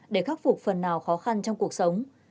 để khắc phục phần nào khó khăn trong cuộc sống